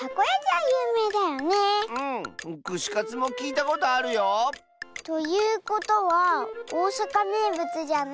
くしカツもきいたことあるよ！ということはおおさかめいぶつじゃないのは。